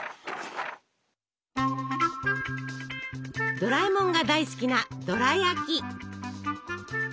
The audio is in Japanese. ドラえもんが大好きなドラやき。